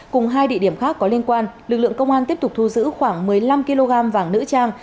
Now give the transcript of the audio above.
cùng hai địa điểm khác có liên quan lực lượng công an tiếp tục thu giữ khoảng một mươi năm kg vàng nữ trang